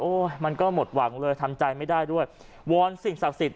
มันก็หมดหวังเลยทำใจไม่ได้ด้วยวอนสิ่งศักดิ์สิทธิ